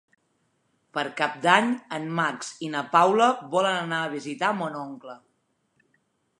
Per Cap d'Any en Max i na Paula volen anar a visitar mon oncle.